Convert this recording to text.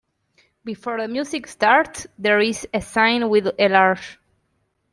Before the music starts, there's a sign with a large !